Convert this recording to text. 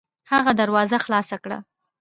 هغې دروازه خلاصه کړه.